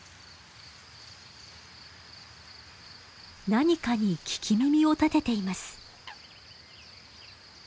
何かに聞き耳を立てています。